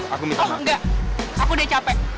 aku udah capek